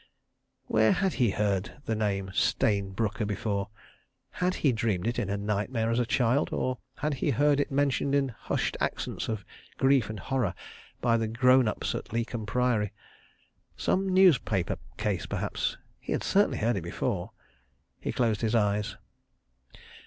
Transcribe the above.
... Where had he heard the name, Stayne Brooker, before? Had he dreamed it in a nightmare as a child—or had he heard it mentioned in hushed accents of grief and horror by the "grown ups" at Leighcombe Priory? ... Some newspaper case perhaps. ... He had certainly heard it before. ... He closed his eyes.